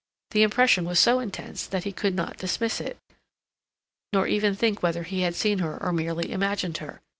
The impression was so intense that he could not dismiss it, nor even think whether he had seen her or merely imagined her.